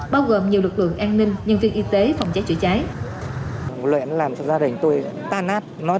bao gồm nhiều lực lượng an ninh nhân viên y tế phòng cháy chủ trái